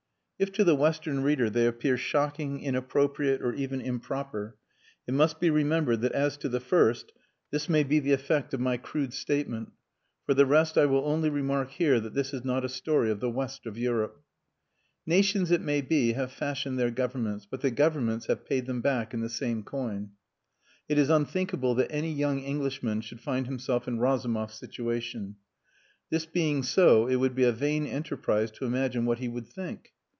If to the Western reader they appear shocking, inappropriate, or even improper, it must be remembered that as to the first this may be the effect of my crude statement. For the rest I will only remark here that this is not a story of the West of Europe. Nations it may be have fashioned their Governments, but the Governments have paid them back in the same coin. It is unthinkable that any young Englishman should find himself in Razumov's situation. This being so it would be a vain enterprise to imagine what he would think.